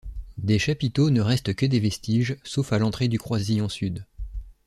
Des chapiteaux ne restent que des vestiges, sauf à l'entrée du croisillon sud.